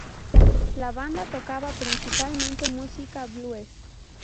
La banda tocaba principalmente música blues.